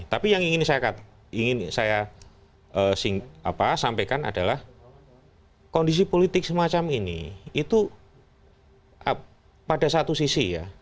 tapi yang ingin saya sampaikan adalah kondisi politik semacam ini itu pada satu sisi ya